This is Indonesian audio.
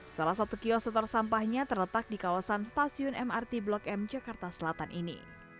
salah satu kios setor sampahnya terletak di kawasan stasiun mrt blok m jakarta selatan ini